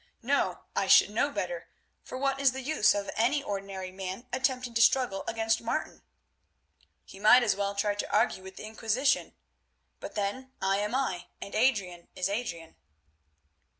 No, I should know better, for what is the use of any ordinary man attempting to struggle against Martin? He might as well try to argue with the Inquisition. But then I am I, and Adrian is Adrian."